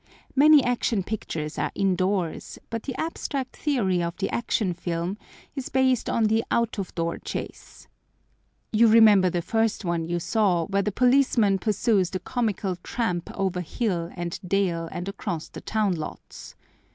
Many Action Pictures are indoors, but the abstract theory of the Action Film is based on the out of door chase. You remember the first one you saw where the policeman pursues the comical tramp over hill and dale and across the town lots.